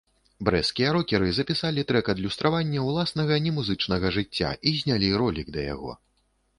Брэсцкія рокеры запісалі трэк-адлюстраванне ўласнага немузычнага жыцця і знялі ролік да яго.